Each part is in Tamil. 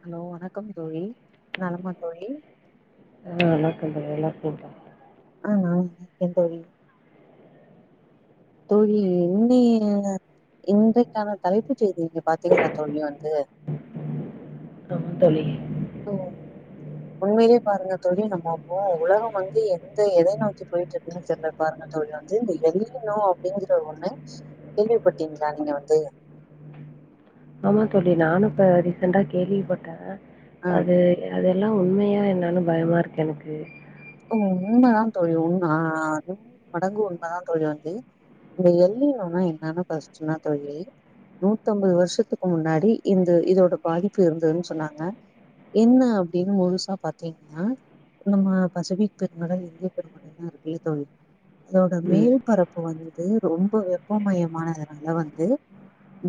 ஹலோ வணக்கம் தோழி நலமா தோழி ம் வணக்கம் தோழி நல்லா இருக்கே தோழி நல்லா இருக்கீங்களா ம் நா நல்லாருக்கே தோழி தோழி இ இன்றைக்கான தலைப்பு செய்தி இங்க பாத்தீங்களா தோழி வந்து ஆமா தோழி ஓ உண்மையிலயே பாருங்க தோழி நம்ம அப்போ உலகம் வந்து எந்த எதை நோக்கி போயிட்டு இருக்குன்னு தெரியல பாரு தோழி வந்து இந்த எல்லணு அப்டிங்கற ஒண்ணு கேள்விப்பட்டீங்களா நீங்க வந்து ஆமா தோழி நானு இப்போ ரீசெண்டட்டாக கேள்விப்பட்டே ஆ அது அதெல்லா உண்மையா என்னன்னு பயமா இருக்கு எனக்கு உண்மைதா தோழி உண்ம நூறு மடங்கு உண்மைதா தோழி வந்து இந்த எள்ளிலோனா என்னன்னு பஷ்டுனா தோழி நூத்தம்பது வருஷத்துக்கு முன்னாடி இந்த இதோட பாதிப்பு இருந்ததுன்னு சொன்னாங்க என்ன அப்டின்னு முழுசா பாத்தீங்கன்னா நம்ம பசிபிக் பெருகடல் இந்திய பெருகடல் தா இருக்குல்லே தோழி அதோட ம். மேல் பரப்பு வந்த ரொம்ப வெப்பமயமானதுனால வந்து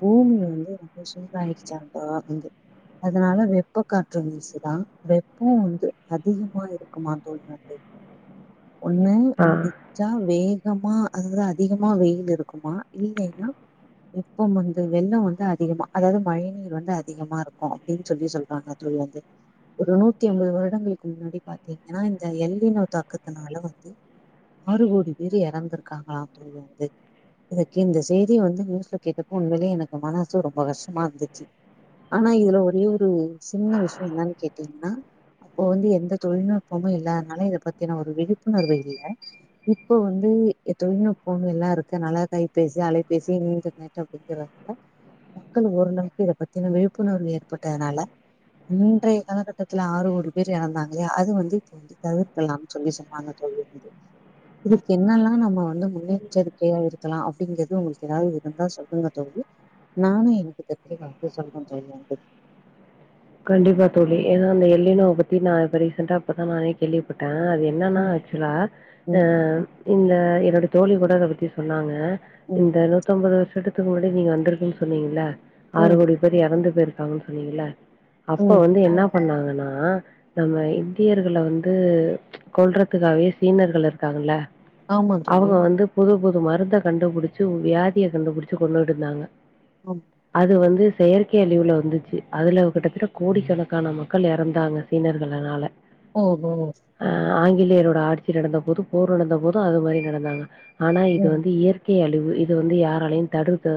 பூமி வந்து ரொம்ப சூண்டாயிடுச்சா அதான் வந்து அதுனால வெப்ப காற்று வீசு தான் வெப்போ வந்து அதிகமா இருக்குமா ஒன்னு ஆ. அடி ச்ச வேகமா அதவிட அதிகமா வெயில் இருக்குமா இல்லைன்னா இப்போ வந்து வெள்ள வந்து அதிகமா அதாவது மழை நீீர் வந்து அதிகமா இருக்கு அப்டின்னு சொல்லி சொல்றாங்க உள்ளது ஒரு நூத்தி ஐம்பது வருடங்களுக்கு முன்னாடி பாத்தீங் ன்னா இந்த எல்லினோ தாக்கத்தனால வந்து ஆறு கோடி பேர் இறந்திருக்காங்களா தோழி வந்து இன்னக்கி இந்த செய்தி வந்து நியூஸ்ல கேட்டப்போ உண்மைலேயே எனக்கு போனலயே எனக்கு மனசு ரொம்ப கஷ்டமா இருந்துச்சு ஆனா இதுல ஒரே ஒரு சின்ன விஷய என்னானு கேட்டீங்ன்னா அப்போ வந்து எந்த தொழில்நுட் ப்பமே இல்லாதனால இத பத்தினா ஒரு விழிப்புணர்வு இல்ல இப்போ வந்து தொழில்நுட்பம் எல்லா இருக்கனால்ல கைபேசி அலைபேசி இன்டர் அப்டிங்கிறங்க மக்கள் ஓரளவுக்கு இத பத்தின விழிப்புணர்வு ஏற்பட்டதுனால இன்றைய காலகட்டத்துல ஆறு கோடி பேர் இறந்தாங்களே அது வந்து தவிர்கல்லா சொல்லி சொன்னாங்க தோழி இதுக்கு என்னெல்லா நம்ம வந்து முன்னெச்சரிக்கையா இருக்கலா அப்டிங்கிறது உங்களுக்கு ஏதாது இருந்தா சொல்லுங்க தோழி நானு எனக்கு தெரிஞ்ச கருத்து சொல்ற தோழி வந்து கண்டிப்பா தோழி ஏதே ந்த எல்லினோ ம் பத்தி நா இப்ப ரீசெண்டா இப்பதா நானே கேள்விப்பட்டே என்னன்னா ம் ஆக்சுவலா ம் இந்த என்னோட தோழி கூட அத பத்தி சொன்னாங்க இந்த நூத்தம்பது வருஷத்துக்கு முன்னாடி நீங்க வந்திருக்குன்னு சொன்னீங்கல்ல ஆறு ம் கோடி பேரு இறந்து போயிருக்காங்க சொன்னீங்ளே அப்ப ம் வந்து என்ன பண்ணாங்கன்னா நம்ம இந்தியர்கள வந்து கொல்றதுக்காகவே சீனர்கள் இருக்காங்கல்ல ஆமா தோழி அவங்க வந்து புது புது மருந்த கண்டுபிடிச்சு வியாதியை கண்டுபிடிச்சு கொண்டுட்டு இருந்தாங்க ஆமா அது வந்து செயற்கை அழிவுல வந்துச்சு அதுல கிட்ட கோடிக்கணக்கான மக்கள் இறந்தாங்க சீனர்கள்னால ஓ கோ ஆ ஆங்கிலேயரோட ஆட்சி நடந்த போது போர் நடந்த போது அது மாறி நடந்தாங்க ஆனா இது ம் வந்து இயற் கை அழிவு இது வந்து யாராலையு தடுக்க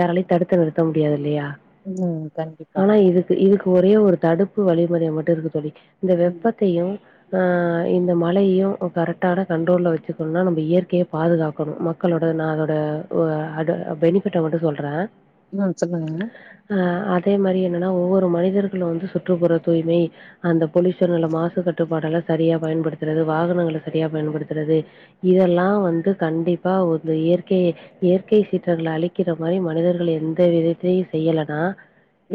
யாராலையு தடுத்து நிறுத்த முடியாது இல்லயா ம் கண்டிப் இதுக் இதுக்கு ஒரே ஒரு தடுப்பு வழிமுறை மட்டு இருக்கு தோழி இந்த ம் வெப்பத்தையும் ஆ இந்த மழையு கரெக்டான கண்ட்ரோல்ல வச்சுக்கணுனா நம்ம இயற்கைய பாதுகாக்கணு க்களோட நா அதோட வ் அத பெனிபிட்ட மட்டூ சொல்றே ம் சொல்லுங்க ஆ அதே மாறி என்னனா ஒவ்வொரு மனிதர்களோட சுற்றுப்புற தூய்மை அந்த பொலியூஷன்ல்ல மாசு கட்டுபாடுலா சரியா பயன்படுத்துறது வாகனங்கள சரியா பயன்படுத்துறது இதெல்லா வந்து கண்டிப்பா ஒரு இயற்கையே இயற்கை சீற்றங்கள அழிக்கிற மாறி மனிதர்கள் எந்த விதத்தையு செய்யலனா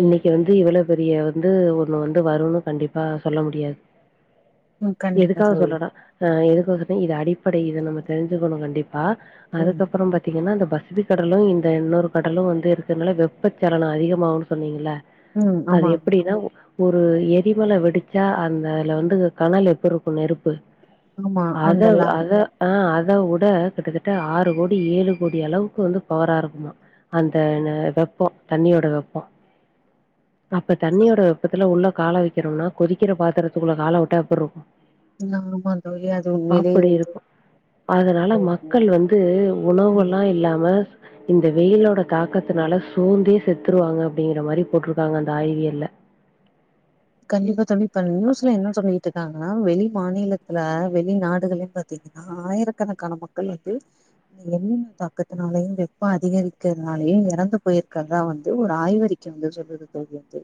ம் இன்னைக்கி வந்து இவ்வள பெரிய வந்து ஒண்ணு வந்து வருனு கண்டிப்பா சொல்ல முடியாது ம் கண்டிப்பா எதுக்காக தோழி சொல்றன்டா அ எதுக்கு வந்துட்டு இது அடிப்படை இத நம்ம தெரிஞ்சுக்கணு கண்டிப்பா ம் அதுக்கப்பறோ பாத் பாத்தீங்கனா இந்த பசுபி கடலூ இந்த இன்னொரு கடலூ வந்து இருக்குதுனல வெப்பச்சலன அதிகமாகும்ன்னு சொன்னீங்கள்ளே ம் அது ஆமா எப்டின்னா உவ் ஒரு எரிமல வெடுச்சா அந்த ல வந்து கனல் எப்புருக்கூ நெருப்பு ஆமா அந்த அதவ் லா அத ஆ அதவ்வோட கிட்டத்தட்ட ஆறு கோடி ஏழு கோடி அளவுக்கு வந்து பவரா இருக்குமா அந்த ந வெப்போ தண்ணியோட வெப்போ அப்ப தண்ணியோட வெப்பத்துல உள்ள காள வக்கிரோனா கொதிக்கிற பாத்திரத்துக்குள்ள காள விட்டா எப்புடிருக்கு ந ஆமாந்தோழி அது உண்மையிலே இருந்து இருக்கும். அதனால மக்கள் வந்து ம் உணவுலா இல்லாம இந்த வெயில்லோட தாக்கத்துனால சோந்தே செத்துருவாங்க அப்டிங்கற மாறி போட்ருக்காங்க அந்த ஆய்வியல்ல கண்டிப்பா தொழி இப்ப நியூஸ்ல என்ன சொல்லிட்டு இருக்காங்கனா வெளி மாநிலத்துல வெளி நாடுகளேன்னு பாத்தீங்க ஆயிரக்கணக்கான மக்கள் வந்து வெயில் தாக்கத்தினாலயூ வெப்ப அதிகரிக்கறதுனாலயூ எறந்து போய்ருக்றதா வந்து ஒரு ஆய்வறிக் வ சொல்லது தோல்வி வந்து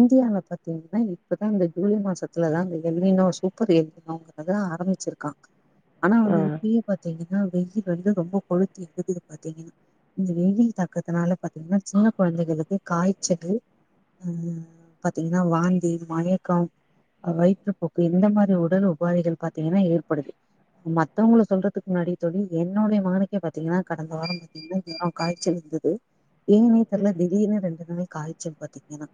இந்தியாவ பத்தி பத்தீங்கனா இப்பதா இந்த ஜூலை மாசத்துலதா அந்த எல்நினோ சூப்பர் எல்நினோங்கறது ஆரம்பிச்சிருக்கா [inaudible] ஆனா வந்து இப்பயே பாத்தீங்கனா வெயில் வந்து ரொம்ப கொழுத்து எடுக்கிது பாத்தீங்கனா இந்த வெயிலின் தாக்கதுனால பாத்தீங்கனா சின்ன கொழந்தைகளுக்கு காய்ச்சலூ அ பாத்தீங்கனா வாந்தி மயக்கம் அ வயித்துப்போக்கு இந்த மாறி உடல் உபாதிகள் பாத்தீங்கனா ஏற்படுது மத்தவங்கள சொல்றதுக்கு முன்னாடி தோழி என்னோடைய மகனுக்கே பாத்தீங்கனா கடந்த வாரம் தினோ தினோ காய்ச்சல் இருந்தது ஏனே தெர்ல திடீனு ரெண்டு நாளைக் காய்ச்சல் பாத்தீங்கனா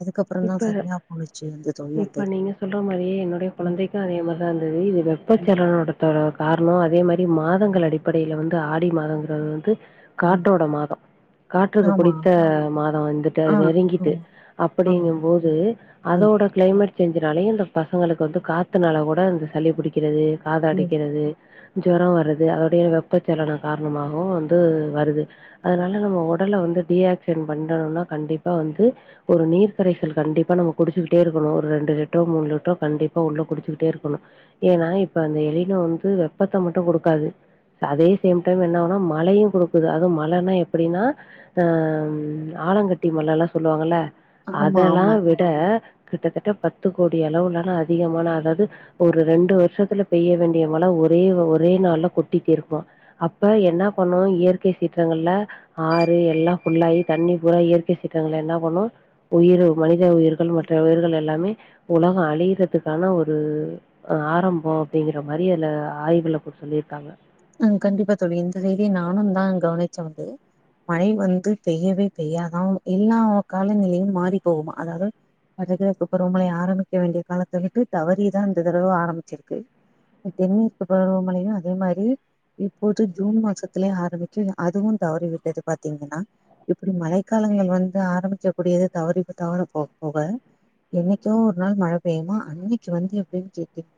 அதுக்கப் அப்புறந்தா இப்ப சரியா போய்ருச்சு வந்து தோழி இப்ப வந்தது நீங்க சொல்ற மாறியே என்னுடைய குழந்தைக்கு அதே மாறிதா இருந்தது இது ம் வெப்பச்சலனோடத்தோட காரணோ அதே மாறி மாதங்கள் அடிப் படையில வந்து ஆடி மாதங்கறது வந்து ம் காற்றோட மாதோ காற்றுக்கு ஆமா புடித்த மாதோ வந்துட்டு அது ஆ நெருங்கிட்டு ஆமா ஆமா அப்படிங்கும்போது ம் அதோட கிளைமேட் சேஞ்சுனாலயூ இந்த பசங்களுக்கு வந்து காத்துனால கூட இந்த சளி புடிக்கிறது ம் காதடைக்கிறது ஜொரோ வருது அதோடைய வெப்பச்சலன காரணமாகவு வந்து வருது அதனால நம்ம உடலவந்து டிஆக்சன் பண்றனுனா கண்டிப்பா வந்து ஒரு நீர் கரைசல் கண்டிப்பா நம்ம குடுச்சுக்கிட்டே இருக்கணு ஒரு ரெண்டு லிட்ரோ மூணு லிட்டரோ கண்டிப்பா உள்ள குடுச்சுட்டே இருக்கணு ஏனா இப்ப அந்த எளினோ வந்து வெப்பத்த மட்டு குடுக்காது அதே சேம் டைம் என்னாவுனா மழையூ கொடுக்குது அதுவு மழன்னா எப்டினா ஆ ஆலங்கட்டி மல்ல எல்லா சொல்லுவாங்க ஆமா அதெல்லா ஆமா ட கிட்டதட்ட பத்து கோடி அளவுலனா அதிகமான அதாது ஒரு ரெண்டு வருஷதுல பெய்ய வேண்டிய மழ ஒரே ஒரே நாள்ல கொட்டி தீர்க்மா அப்ப என்னா பண்ணு இயற்கை சீற்றங்கள்ல ஆறு எல்லா ஃபுல்லாயி தண்ணி பூரா இயற்கை சீற்றகல்ல என்னா பண்ணு உயிரு மனித உயிர்கள் மற்ற உயிர்கள் எல்லாமே உலகம் அழியறதுக்கான ஒரு ஆரம்போ அப்டிங்கிற மாரி அதுல ஆய்வுல இப்போ சொல்லியிருக்காங்க ம் கண்டிப்பா தோழி இந்ந வீடியோ நானுந்தா கவனிச்ச [unintelligible] மழை வந்து பெய்யவே பெய்யாதா உனக் எல்லா காலநிலையு மாறி போகுமா அதாவது வரு கிழக்கு பருமழை ஆரம்பிக்க வேண்டிய காலத்த விட்டு தவறிதா இந்த தடவ ஆரம்மிச்சிருக்கு தென்மேற்க்கு பருவமழையு அதே மாரி இப்போது ஜூன் மாசத்துலயே ஆரம்மிச்சி அதுவு தவறி விட்டது பாத்தீங்கனா இப்டி மழைக்காலங்கள் வந்தா ஆரம்மிக்க கூடியது தவறி இப்ப தவற போ போக என்னைக்கோ ஒரு நாள் மழ பெய்யுமா அன்னைக்கு வந்து எப்டினு கேட்டீங்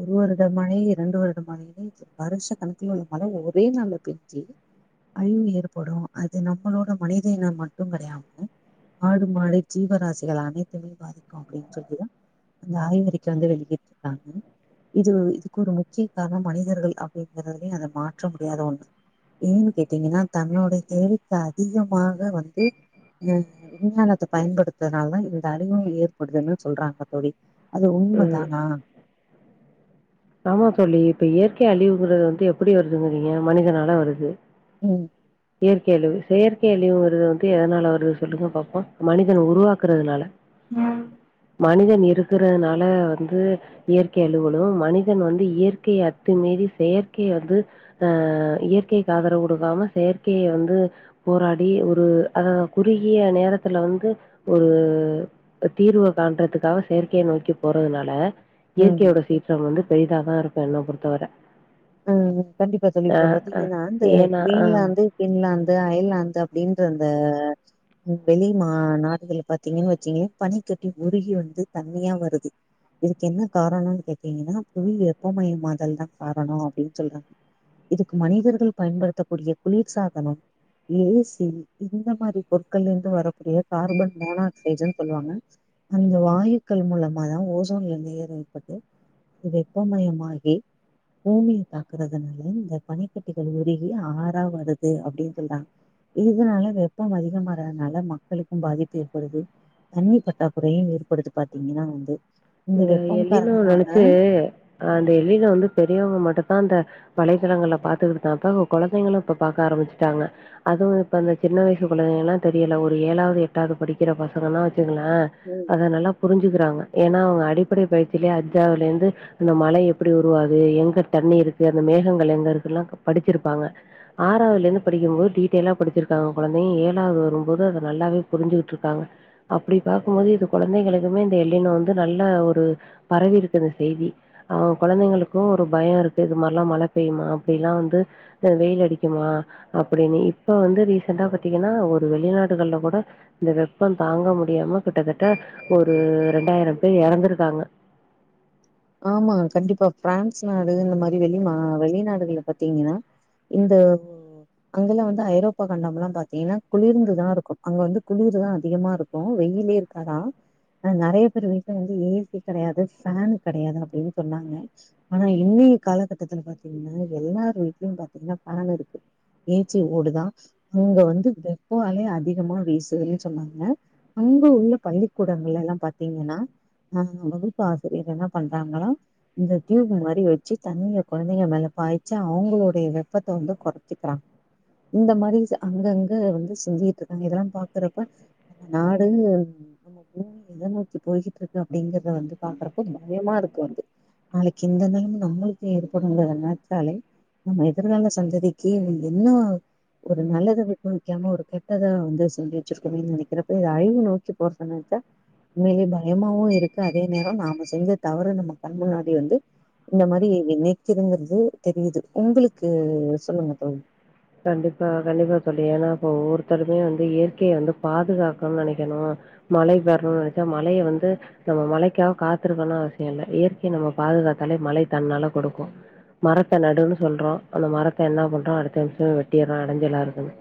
ஒரு வருட மழை இரண்டு வருட மழையே [unintelligible] வருஷ கணக்குல உள்ள மழ ஒரே நல்ல பெஞ்சு அழிவு ஏற்படும் அது நம்மளோட மனித இனம் மட்டு கெடையாம ஆடு மாடு ஜீவராசிகள் அனைத்துமே பாதிக்கு அப்டின் சொல்லிதா அந்த ஆய்வறிக்க வந்து வெளியிட்ருக்காங்க இது இதுக்கு ஒரு முக்கிய காரணம் மனிதர்கள் அ அப்டிங்கிறதே அத மாற்ற முடியாத ஒண்ணு ஏன்னு கேட்டீங்கன்னா தன்னோட தேவைக்கு அதிகமாக வந்து அ விஞ்ஞானத்த பயன்படுத்தனால தா இந்த அழிவு ஏற்படுதுன்னு சொல்றாங்க தோழி அது ம். உண்மதானா ஆமா தோழி இப்ப இயற்கை அழிவுங்கிறது வந்து எப்டி வருதுங்கிறீங்க மனிதனால வருது உ இயற்கை அழிவு செயற்கை அழிவுங்கிறது வந்து எதனால வருது சொல்லுங்க பாப்போ மனிதன உருவாக்குறதுனால ம் மனிதன் இருக்கறதுனால வந்து இயற்கை அலுவலு மனிதன் வந்து இயற்கைய அத்து மீறி செயற்கைய வந்து ஆ இயற்கைக்கு ஆதரவு குடுக்காம செயற்கைய வந்து போராடி ஒரு அ குறுகிய நேரத்துல வந்து ஒரு தீர்வ காண்றதுக்காவ செயற்கைய நோக்கி போறதுனால இயற்கையோட சீற்றம் வந்து பெரிதாதா இருக்கு என்ன பொறுத்தவர ஆ கண்டிப்பா தோழி அ, இப்ப அ. பாத்திங்கன்னா இந்த ஏன்னா ஆ. கிரீன்லாண்டு இங்லாந்து அயல்லாந்து அப்டின்ற அந்த வெளி மா நாடுகள பாத்தீங்கன் வச்சீங்க பனிக்கட்டி உருகி வந்து தண்ணியா வருது இதுக்கு என்ன காரணன்னு கேட்டீங்கன்னா புவி வேப்பமயமாதல் தா காரணோ அப்டினு சொல்றாங்க இதுக்கு மனிதர்கள் பயன்படுத்தக்க கூடிய குளிர் சாதனோ ஏசி இந்த மாரி பொருட்கள்லேருந்து வரக்கூடிய கார்பன் மோனக்சைடுன்னு சொல்லுவாங்க அந்த வாயுக்கள் மூலமா தா ஓசோன்லேருந்து ஏற்பட்டு வெப்பமயமாகி பூமிய தாக்குறதுனால இந்த பனிக்கட்டிகள் உருகி ஆரா வருது அப்டினு சொல்றாங்க இதனால வெப்பம் அதிகமாரதுனால மக்களுக்கு பாதிப்பு ஏற்படுது தண்ணீ பட்டாக்குறையு ஏற்படுது பாத்தீங்கன்னா வந்து இந்த வெப்பம் எல்லினோவ காரணமாக நெனச்சு அந்த எல்லினோ வந்து பெரியவங்க மட்டுதான் அந்த வலைத்தளங்களல பாத்துக்கிட்டுதாப்பா கொழந்தைங்களு இப்ப பாக்க ஆரம்மிச்சுட்டாங்க அதுவு இப்ப இந்த சின்ன வயசு குழந்தைங்கலா தெரியல ஒரு ஏழாவது எட்டாவது படிக்கிற பசங்கனா வச்சுங்ளே உ அ நல்லா புரிஞ்சுக்கிறாங்க ஏனா அவுங்க அடிப்படை பயிற்சிலே அஜாவதுலேருந்து அந்த மழ எப்டி உருவாது எங்க தண்ணி இருக்கு அந்த மேகங்கள் எங்க இருக்குல்லான் படிச்சிருப்பாங்க ஆறாவதுல இருந்து படிக்கு போது டீட்டெயலா படிச்சிருக்காங்க குழந்தைங்கா ஏழாவது வரும்போது அதை நல்லாவே புரிஞ்சுட்டு இருக்காங்க அப்டி பார்க்குபோது இது குழந்தைகளுக்குமே இந்த எல்லிநெ வந்து நல் நல்லா ஒரு பரவி இருக்குது இந்த செய்தி ஆ குழந்தைங்களுக்கு ஒரு பயோ இருக்கு இது மாரியெல்லா மழை பெய்யுமா அப்டில்லா வந்து வெயில் அடிக்குமா அப்டின்னு இப்ப வந்து ரீசெண்டா பாத்தீங்கன்னா ஒரு வெளிநாடுகள்யில்லா கூட இந்த வெப்பம் தாங்க முடியாம கிட்டத்தட்ட ஒரு ரெண்டாயிரம் பேர் இறந்துருக்காங்க ஆமா கண்டிப்பா பிரான்ஸ் நாடு இந்த மாதிரி வெளிமா நீ வெளிநாடுகல்லா பாத்தீங்கன்னா இந்த அங்கெல்லா வந்து ஐரோப்பா கண்டல்லா பாத்தீங்கன்னா குளிர்ந்துதா இருக்கு அங்க வந்து குளிர் தா அதிகமா இருக்கு இருக்கும் வெயிலேயே இருக்காதான் நிறைய பேர் வீட்ல வந்து ஏசி கிடையாது ஃபேன் கிடையாது அப்டின்னு சொன்னாங்க ஆனா இன்னிய காலகட்டத்துல பாத்தீங்கன்னா எல்லார் வீட்லயும் பாத்தீங்கன்னா ஃபேன் இருக்கு ஏச்சி ஓடுதான் இங்க வந்து வெப்பா அலே அதிகமா வீசுதுன்னு சொன்னாங்க அங்க உள்ள பள்ளிக்கூடங்கள் எல்லாம் பாத்தீங்கன்னா அ வகுப்பு ஆசிரியர் எல்லா பண்றாங்களா இந்த டியூப் மாரி வச்சு தண்ணிய கொழந்தைங்க மேல பாய்ச்சு அவங்களுடைய வெப்பத்தை வந்து குறைச்சிக்கிறாங்க இந்த மாரி அங்க அங்க வந்து செஞ்சிட்டு இருக்காங்க இதெல்லாம் பாக்குறப்ப நாடே நம்ம பூமி எதை நோக்கி போயிகிட்டு இருக்கு அப்டிங்கறத வந்து பாக்குறப்ப இமா பயமா இருக்கும் வந்து நாளைக்கி இந்த நெலம நம்மளுக்கு ஏற்படுங்குறத நினச்சாலே நம்ம எதிர்கால சந்ததிக்கி என்ன ஒரு நல்லத விட்டுவிக்காம ஒரு கெட்டதை வந்து செஞ்சு வச்சிருக்கணும்ன்னு நினைக்கிறப்ப இத அழிவு நோக்கி போறத நெனச்சா உண்மிலே பயமாவும் இருக்கு அதே நேரம் நாம செஞ்ச தவிர நம்ம கண் முன்னாடி வந்து இந்த மாரி நினைக்குதுங்கிறது தெரியுது உங்களுக்கு சொல்லுங்க தோழி கண்டிப்பா அ கண்டிப்பா தோழி ஏன்னா இப்ப ஒவ்வெருத்தருமே வந்து இயற்கையை வந்து பாதுகாக்கனு நினைக்கணும் மழை வரணும்னு நினைச்சா மழைய வந்து நம்ம மழைக்கா காத்திருக்கோன்னனு அவசியம் இல்ல இயற்கையை நம்ம பாதுகாத்தாலே மழை தன்னால குடுக்கும் மரத்தை நடுன்னு சொல்றோம் அந்த மரத்தை என்ன பண்றோம் அடுத்த நிமிஷமே வெட்டிறான் அடைஞ்ச எல்லா இருக்குன்னு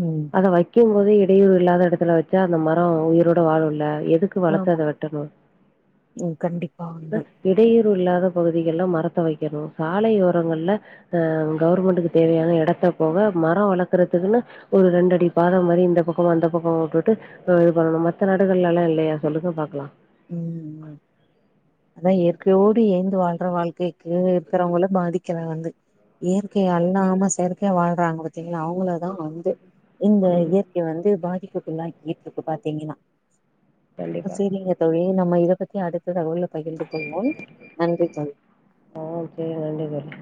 ம் அத வைக்கும் போதே இடையூறு இல்லாத இடத்துல வச்சா அந்த மரம் உயிரோட வாழு இல்ல எது க்கு ஆமா வாளத்தத வெட்டனும் ம் கண்டிப்பாங்க ல இடையூறு இல்லாத பகுதிகள்ல மரத்த வைக்கணும் சாலையோரங்கள்ல அ கவர்மெண்ட்டுக்கு தேவையான இடத்த போக மரோ வளக்கறதுக்குன்னு ஒரு ரெண்டு அடி பாதம் மேரி இந்த பக்கம் அந்த பக்கம் உட்டுட்டு இது பண்ணணும் மத்த நாடுகள்ல எல்லாம் இல்லையா சொல்லுங்க பாக்கலாம் ம் அதான் இயற்கையோடு ஏயந்து வாழ்ற வாழ்க்கைக்கு இருக்கிறவுங்களு பாதிக்கிறாங்க வந்து இயற்கை அல்லாம செயற்கை வாழ்றாங்க பாத்தீங்களா அவுங்கள ன்னா வந்து இந்த இயற்கையை வந்து பாதிப்புக்குள்ளாக்கிட்டு இருக்கு பாத்தீங்கன்னா சேரிங்க தோழி நம்ம இதை பத்தி அடுத்த தகவல்லா பகிர்ந்து கொள்வோம் நன்றி தோழி ஆ சேர் வணக்கம் தோழி